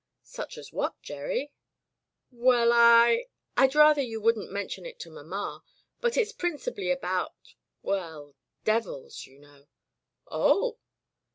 "Such as what, Gerry?" "We 11, I — I'd rather you wouldn't men tion it to Mamma, but it's principally about — ^well — devilsy you know." "Oh!"